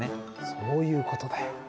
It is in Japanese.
そういう事だよ。